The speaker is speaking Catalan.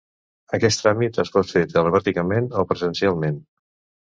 Aquest tràmit es pot fer telemàticament o presencialment.